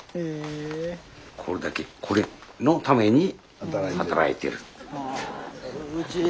これだけこれのために働いてる。